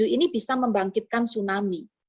delapan tujuh ini bisa membangkitkan tsunami